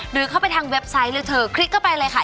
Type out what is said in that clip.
หรือเข้าไปทางเว็บไซต์เลยเธอคลิกเข้าไปเลยค่ะ